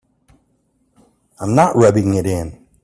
I'm not rubbing it in.